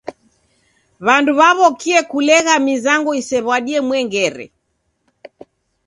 W'andu w'aw'okie kulegha mizango isew'adie mwengere.